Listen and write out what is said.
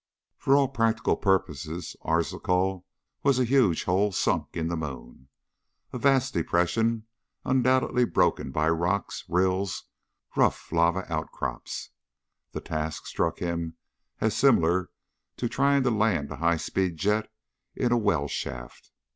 For all practical purposes Arzachel was a huge hole sunk in the moon a vast depression undoubtedly broken by rocks, rills, rough lava outcrops. The task struck him as similar to trying to land a high speed jet in a well shaft.